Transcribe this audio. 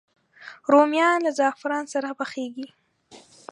رومیان له زعفران سره پخېږي